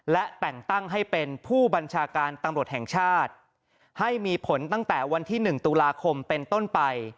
และแต่งตั้งให้เป็นผู้บัญชาการตำรวจแห่งชาติให้มีผลตั้งแต่วันที่๑ตุลาคมเป็นต้นไป